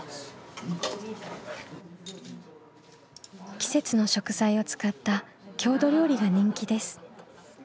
季節の食材を使った郷土料理が人気です。